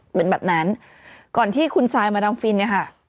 เป็นแบบนั้นก่อนที่คุณซายมาดามฟินเนี่ยค่ะ